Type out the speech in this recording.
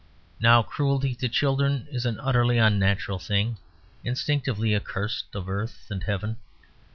Now cruelty to children is an utterly unnatural thing; instinctively accursed of earth and heaven.